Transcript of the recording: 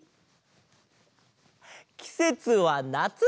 きせつはなつ！